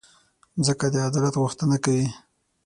مځکه د عدالت غوښتنه کوي.